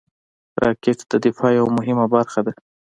راکټ د دفاع یوه مهمه برخه ده